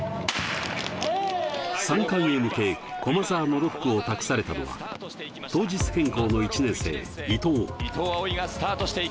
三冠へ向け駒澤の６区を託されたのは、当日変更の１年生・伊藤。